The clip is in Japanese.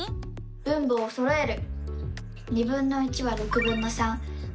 分母をそろえる！